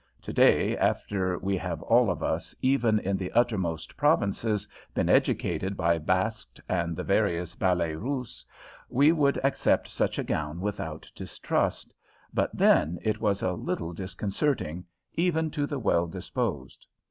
Today, after we have all of us, even in the uttermost provinces, been educated by Baskt and the various Ballets Russes, we would accept such a gown without distrust; but then it was a little disconcerting, even to the well disposed.